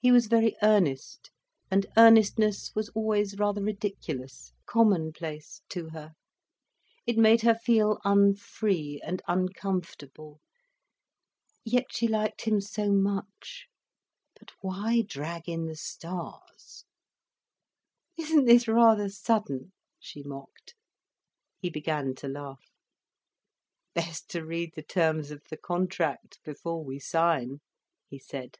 He was very earnest, and earnestness was always rather ridiculous, commonplace, to her. It made her feel unfree and uncomfortable. Yet she liked him so much. But why drag in the stars. "Isn't this rather sudden?" she mocked. He began to laugh. "Best to read the terms of the contract, before we sign," he said.